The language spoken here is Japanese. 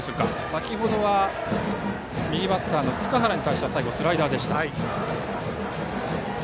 先程は、右バッターの塚原に対して最後はスライダーでした。